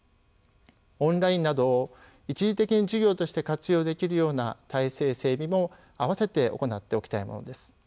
オンラインなどを一時的に授業として活用できるような体制整備も併せて行っておきたいものです。